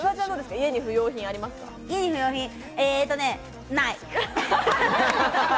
家に不用品ない！